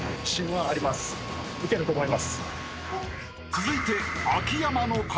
［続いて］